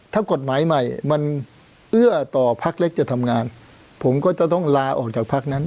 ถ้ากฎหมายใหม่มันเอื้อต่อพักเล็กจะทำงานผมก็จะต้องลาออกจากพักนั้น